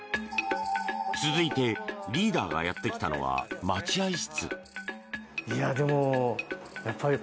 続いてリーダーがやってきたのは待合室。